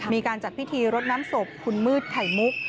มีการจัดพิธีรดน้ำศพคุณมืดไข่มุก